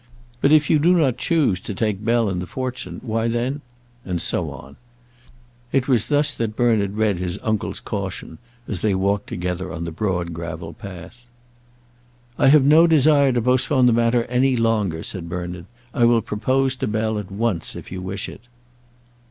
But if you do not choose to take Bell and the fortune, why then " And so on. It was thus that Bernard read his uncle's caution, as they walked together on the broad gravel path. "I have no desire to postpone the matter any longer," said Bernard. "I will propose to Bell at once, if you wish it."